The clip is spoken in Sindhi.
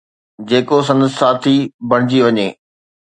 جيڪو سندس ساٿي بڻجي وڃي